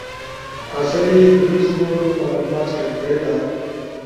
اسئی درست موڙو معلومات ڇک بئیلا